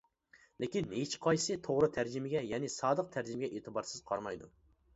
لېكىن ھېچقايسىسى توغرا تەرجىمىگە، يەنى سادىق تەرجىمىگە ئېتىبارسىز قارىمايدۇ.